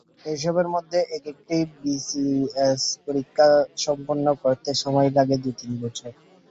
এসবের মধ্যে একেকটি বিসিএস পরীক্ষা সম্পন্ন করতে সময় লাগে দু-তিন বছর।